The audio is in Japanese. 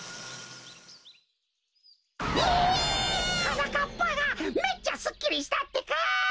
はなかっぱがめっちゃすっきりしたってか！